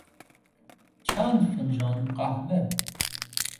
چند فنجان قهوه